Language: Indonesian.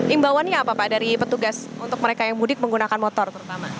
imbauannya apa pak dari petugas untuk mereka yang mudik menggunakan motor terutama